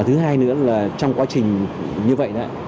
thứ hai nữa là trong quá trình như vậy đó